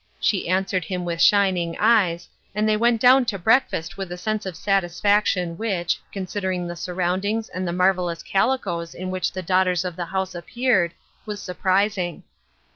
She answered him with shining eyes, and they went down to breakfast with a sense of satisfaction which, considering the surroundings and the marvelous calicoes in which the daughters of the house appeared, was surprising."